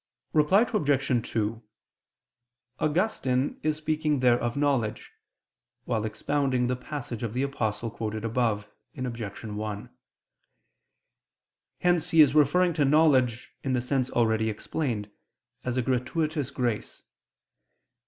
Reply Obj. 2: Augustine is speaking there of knowledge, while expounding the passage of the Apostle quoted above (Obj. 1): hence he is referring to knowledge, in the sense already explained, as a gratuitous grace.